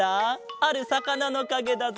あるさかなのかげだぞ。